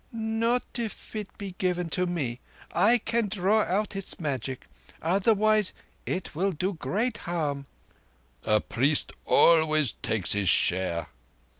"Not if it be given to me. I can draw out its magic. Otherwise it will do great harm." "A priest always takes his share."